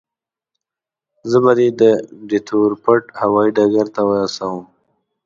زه به دې د ډیترویت هوایي ډګر ته ورسوم.